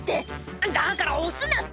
「だから押すなって！」